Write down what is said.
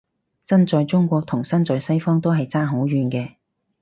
身在中國同身在西方都係爭好遠嘅